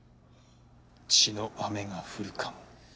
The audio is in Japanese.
血の雨が降るかも。